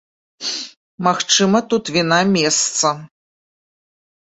Магчыма, тут віна месца.